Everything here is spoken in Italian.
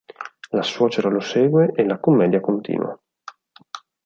La suocera lo segue e la commedia continua.